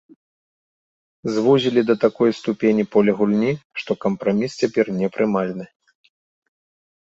Звузілі да такой ступені поле гульні, што кампраміс цяпер непрымальны.